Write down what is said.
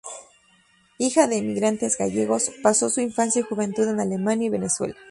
Hija de emigrantes gallegos, pasó su infancia y juventud en Alemania y Venezuela.